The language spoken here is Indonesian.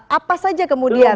apa saja kemudian